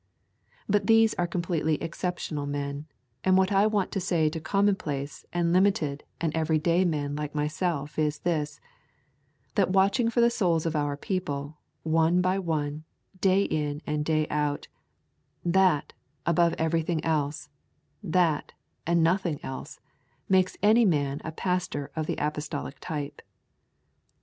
But these are completely exceptional men, and what I want to say to commonplace and limited and everyday men like myself is this, that watching for the souls of our people, one by one, day in and day out, that, above everything else, that, and nothing else, makes any man a pastor of the apostolic type.